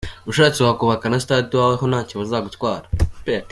Ushatse wakubaka na stade iwawe, abo ntacyo bazagutwara.